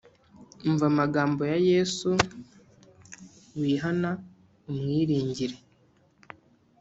Umva amagambo ya yesu wihana umwiringire